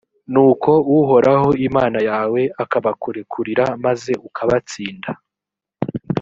nuko uhoraho imana yawe akabakurekurira maze ukabatsinda